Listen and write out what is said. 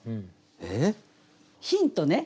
えっ？ヒントね。